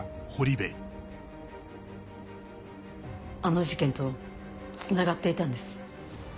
あの事件とつながっていたんです。